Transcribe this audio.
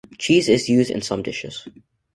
Cheese is used in some dishes.